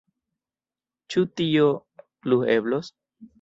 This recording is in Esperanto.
Ĉu tio plu eblos?